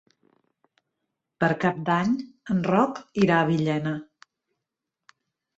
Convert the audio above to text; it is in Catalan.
Per Cap d'Any en Roc irà a Villena.